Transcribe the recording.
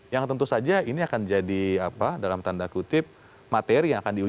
yang tentu saja ini akan jadi apa dalam tanda kutip materi yang akan diuji